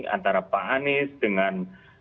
antara pak anies dengan